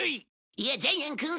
いやジャイアンくん